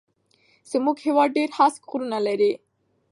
زموږ هيواد ډېر هسک غرونه لري